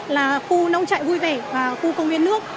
là khu nông trại vui vẻ và khu công viên nước